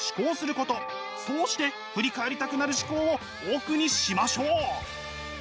そうして振り返りたくなる思考をオフにしましょう。